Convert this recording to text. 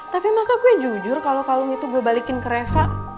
tapi masa gue jujur kalau kalung itu gue balikin ke reva